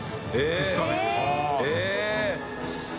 「２日目」